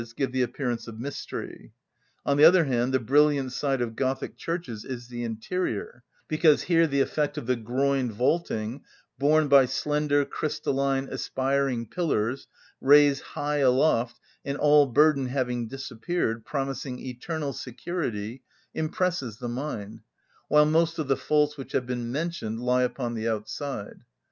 _, give the appearance of mystery. On the other hand, the brilliant side of Gothic churches is the interior; because here the effect of the groined vaulting borne by slender, crystalline, aspiring pillars, raised high aloft, and, all burden having disappeared, promising eternal security, impresses the mind; while most of the faults which have been mentioned lie upon the outside.